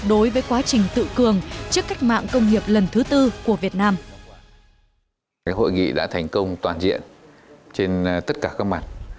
đối với quá trình tự cường trước cách mạng công nghiệp lần thứ tư của việt nam